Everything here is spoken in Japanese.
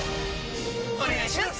お願いします！！！